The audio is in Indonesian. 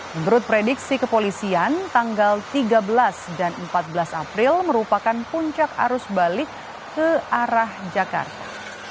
menurut prediksi kepolisian tanggal tiga belas dan empat belas april merupakan puncak arus balik ke arah jakarta